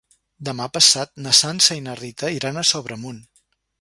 Demà passat na Sança i na Rita iran a Sobremunt.